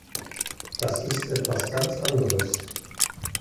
Das ist etwas ganz anderes!